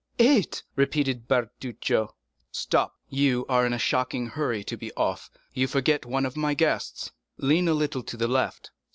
"Eight!" repeated Bertuccio. "Stop! You are in a shocking hurry to be off—you forget one of my guests. Lean a little to the left.